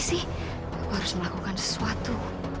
sih harus melakukan sesuatu